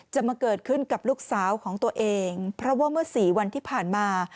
จะมาเกิดขึ้นกับลูกสาวของตัวเองเพราะว่าเมื่อสี่วันที่ผ่านมา